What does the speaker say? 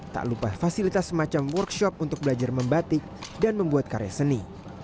tak lupa fasilitas semacam workshop untuk belajar membatik dan membuat karya seni